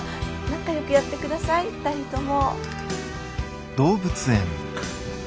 仲よくやってください２人とも。